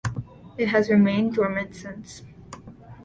It has remained dormant since.